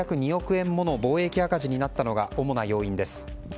円もの貿易赤字になったのが主な要因です。